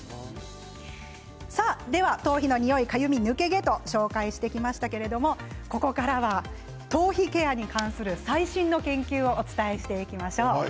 頭皮のにおいかゆみ、抜け毛とご紹介してきましたがここからは頭皮ケアに関する、最新の研究をお伝えしていきましょう。